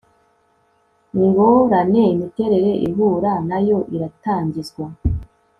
ingorane imiterere ihura nayo iratangizwa